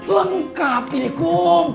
lengkap ini kum